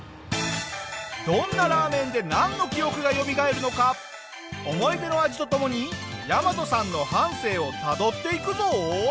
どんなラーメンでなんの記憶がよみがえるのか思い出の味と共にヤマトさんの半生をたどっていくぞ。